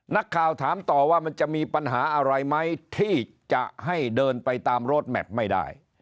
นักข่าวถามต่อว่ามันจะมีปัญหาอะไรไหมที่จะให้เดินไปตามโรดแมพไม่ได้